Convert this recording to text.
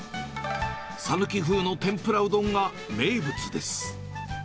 讃岐風の天ぷらうどんが名物です。